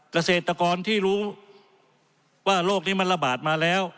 เกษตรกรที่รู้ว่าโลกนี้มันระบาดมาแล้ว